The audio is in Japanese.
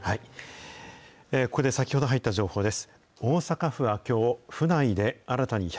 ここで先ほど入った情報です。